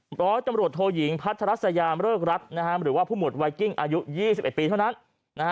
มรตำรวจโทหญิงพัทรัศยามริษรัฐเลิกรัฐหรือว่าผู้หมวดไวกิ้งอายุ๒๑ปีเท่านั้น